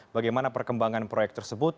bagaimana perkembangan proyek tersebut